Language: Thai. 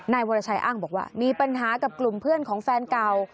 วรชัยอ้างบอกว่ามีปัญหากับกลุ่มเพื่อนของแฟนเก่า